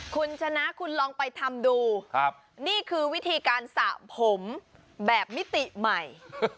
คุณชนะคุณลองไปทำดูนี่คือวิธีการสระผมแบบมิติใหม่